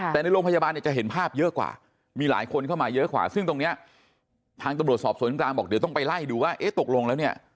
แต่ในโรงพยาบาลเนี่ยจะเห็นภาพเยอะกว่ามีหลายคนเข้ามาเยอะกว่าซึ่งตรงนี้ทางตำรวจสอบสวนกลางบอกเดี๋ยวต้องไปไล่ดูว่าเอ๊ะตกลงแล้วเนี่ย